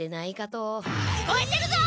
聞こえてるぞ！